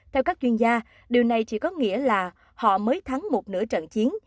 theo các chuyên gia điều này chỉ có nghĩa là họ mới thắng một nửa trận chiến